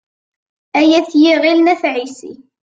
Ay At yiɣil n At Ɛissi.